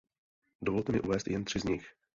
Dovolte mi uvést jen tři z nich.